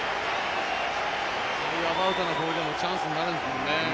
ああいうアバウトなボールでもチャンスになるんですもんね。